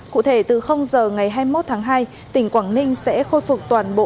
cụ thể từ giờ ngày hai mươi một tháng hai tỉnh quảng ninh sẽ khôi phục toàn bộ